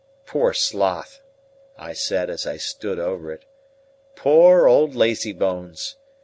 "Poor sloth!" I said as I stood over it. "Poor old lazy bones!